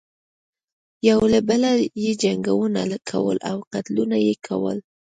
یو له بله یې جنګونه کول او قتلونه یې کول.